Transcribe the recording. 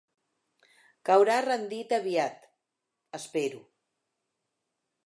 Caurà rendit aviat, espero...